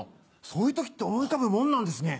そういう時って思い浮かぶもんなんですね。